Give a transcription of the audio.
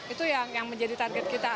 itu yang menjadi target kita